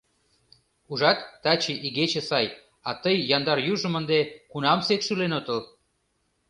Ужат, таче игече сай, а тый яндар южым ынде кунамсекак шӱлен отыл.